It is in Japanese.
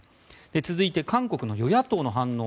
続いて、韓国の与野党の反応。